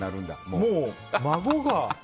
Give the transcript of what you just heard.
もう孫が。